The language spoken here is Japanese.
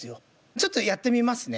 ちょっとやってみますね。